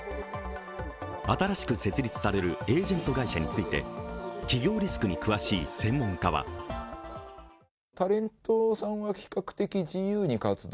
新しく設立させるエージェント会社について企業リスクに詳しい専門家は会見では、新会社の社名にも言及。